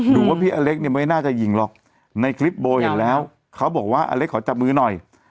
ดูว่าพี่อเล็กเนี่ยไม่น่าจะยิงหรอกในคลิปโบเห็นแล้วเขาบอกว่าอเล็กขอจับมือหน่อย